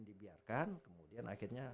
dibiarkan kemudian akhirnya